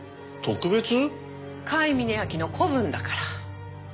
甲斐峯秋の子分だから。